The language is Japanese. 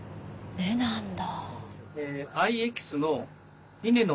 根なんだ。